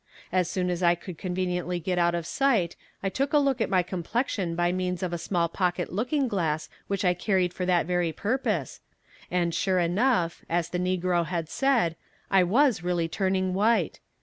As soon as I could conveniently get out of sight I took a look at my complexion by means of a small pocket looking glass which I carried for that very purpose and sure enough, as the negro had said, I was really turning white.